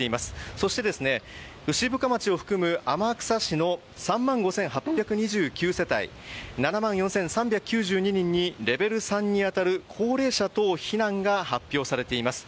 そして、牛深町を含む天草市の３万５８２９世帯７万４３９２人にレベル３に当たる高齢者等避難が発表されています。